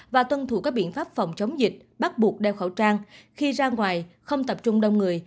và tuân thủ các biện pháp phòng chống dịch bắt buộc đeo khẩu trang khi ra ngoài không tập trung đông người